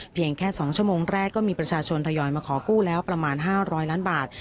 เพียงแค่สองชั่วโมงแรกก็มีประชาชนทยอยมาขอกู้แล้วประมาณห้าร้อยล้านบาท